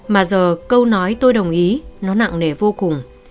mà giờ câu nói tôi đồng ý nó nặng nề vô cùng